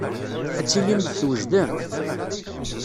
Ad tilimt twejdemt?